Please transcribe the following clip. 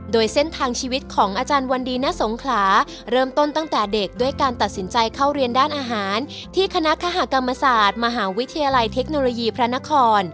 โดยเส้นทางชีวิตของอาจารย์วันดีณสงขลาเริ่มต้นตั้งแต่เด็กด้วยการตัดสินใจเข้าเรียนด้านอาหารที่คณะคกรรมศาสตร์มหาวิทยาลัยเทคโนโลยีพระนคร